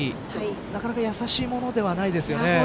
なかなかやさしいものではないですよね。